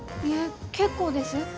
いえ結構です。